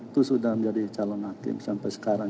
itu sudah menjadi calon hakim sampai sekarang